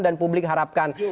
dan publik harapkan